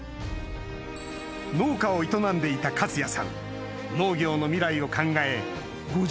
農家を営んでいた克也さん